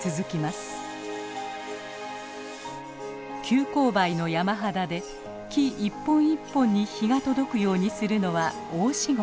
急勾配の山肌で木１本１本に日が届くようにするのは大仕事。